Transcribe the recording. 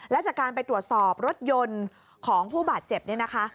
และจากการไปตรวจสอบรถยนต์ของผู้บาดเจ็บเนี่ยนะคะ